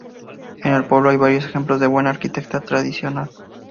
En el pueblo hay varios ejemplos de buena arquitectura tradicional.